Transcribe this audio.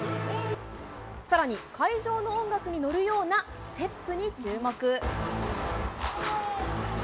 さらに会場の音楽に乗るようなステップに注目。